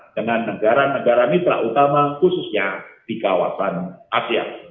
dengan negara negara mitra utama khususnya di kawasan asean